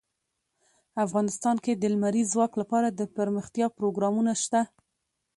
افغانستان کې د لمریز ځواک لپاره دپرمختیا پروګرامونه شته.